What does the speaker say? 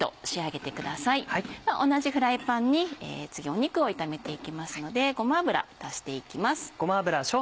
では同じフライパンに次肉を炒めていきますのでごま油足していきます。